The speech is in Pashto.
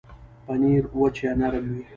پنېر وچ یا نرم وي.